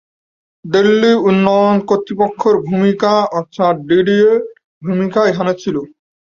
দিল্লি উন্নয়ন কর্তৃপক্ষের ভূমিকা অর্থাৎ ডিডিএ-এর ভূমিকা এখানে ছিল।